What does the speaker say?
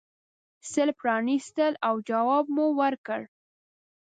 سل پرانیستل او جواب مو ورکړ.